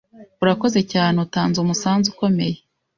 Urakoze cyane utanze umusanzu ukomeye